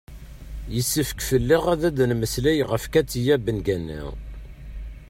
yessefk fell-aɣ ad d-nemmeslay ɣef katia bengana